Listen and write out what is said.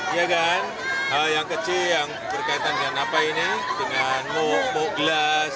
iya kan hal yang kecil yang berkaitan dengan apa ini dengan muk gelas